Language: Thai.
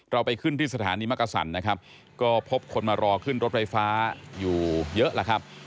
ไปขึ้นที่สถานีมกษันนะครับก็พบคนมารอขึ้นรถไฟฟ้าอยู่เยอะแล้วครับ